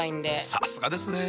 さすがですね。